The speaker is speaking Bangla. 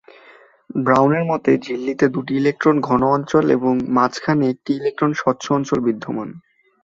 ব্রাউনের মতে, ঝিল্লিতে দুইটি ইলেকট্রন ঘন অঞ্চল এবং মাঝখানে একটি ইলেকট্রন স্বচ্ছ অঞ্চল বিদ্যমান।